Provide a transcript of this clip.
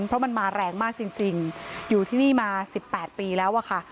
เพราะมันมาแรงมากจริงอยู่ที่นี่มา๑๘ปีแล้วอะค่ะ